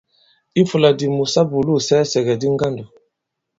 I ifūla di mu, sa bùlu isɛɛsɛ̀gɛ̀di ŋgandò.